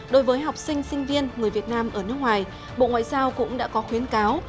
đối với học sinh sinh viên người việt nam ở nước ngoài bộ ngoại giao cũng đã có khuyến cáo